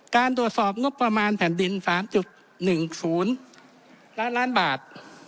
การตรวจสอบงบประมาณแผ่นดิน๓๑๐ล้านล้านบาท